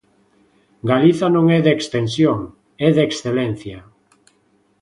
Galicia non é de extensión, é de excelencia.